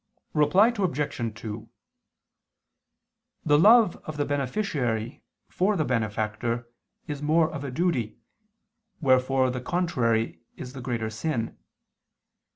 Reply Obj. 2: The love of the beneficiary for the benefactor is more of a duty, wherefore the contrary is the greater sin.